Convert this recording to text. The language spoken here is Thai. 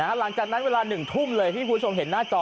หลังจากนั้นเวลา๑ทุ่มเลยที่คุณผู้ชมเห็นหน้าจอ